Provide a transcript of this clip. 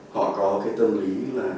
họ có tâm lý